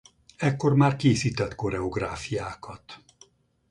Ekkor már készített koreográfiákat.